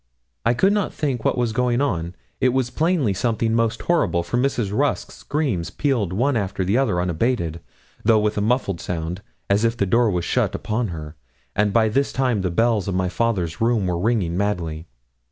I could not think what was going on. It was plainly something most horrible, for Mrs. Rusk's screams pealed one after the other unabated, though with a muffled sound, as if the door was shut upon her; and by this time the bells of my father's room were ringing madly.